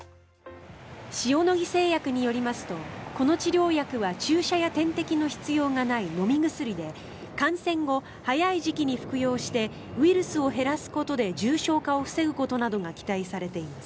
塩野義製薬によりますとこの治療薬は注射や点滴の必要がない飲み薬で感染後、早い時期に服用してウイルスを減らすことで重症化を防ぐことなどが期待されています。